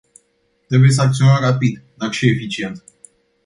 Trebuie să acționăm rapid, dar și eficient.